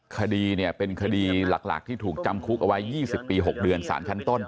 คดีเนี่ยเป็นคดีหลักที่ถูกจำคุกเอาไว้๒๐ปี๖เดือนสารชั้นต้น